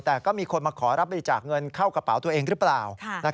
แต่ก็มีคนมาขอรับบริจาคเงินเข้ากระเป๋าตัวเองหรือเปล่า